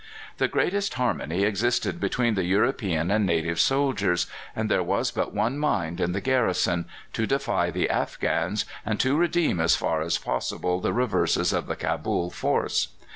The greatest harmony existed between the European and native soldiers, and there was but one mind in the garrison to defy the Afghans and to redeem as far as possible the reverses of the Cabul force.